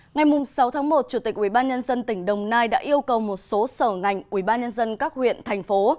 ngày sáu tháng một chủ tịch ubnd tỉnh đồng nai đã yêu cầu một số sở ngành ubnd các huyện thành phố